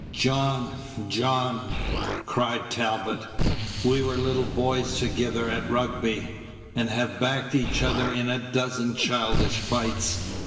"John, John," cried Talbot, "we were little boys together at Rugby, and have backed each other in a dozen childish fights.